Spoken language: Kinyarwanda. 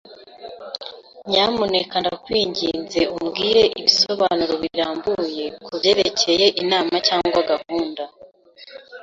Nyamuneka ndakwinginze umbwire ibisobanuro birambuye kubyerekeye inama cyangwa gahunda.